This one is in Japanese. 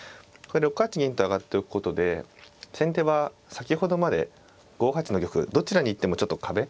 ６八銀と上がっておくことで先手は先ほどまで５八の玉どちらに行ってもちょっと壁。